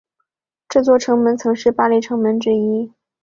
这座城门曾是巴黎城门之一。